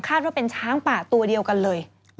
ว่าเป็นช้างป่าตัวเดียวกันเลย